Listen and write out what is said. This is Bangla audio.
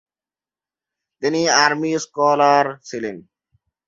তিনি আর্মি স্কলার ছিলেন।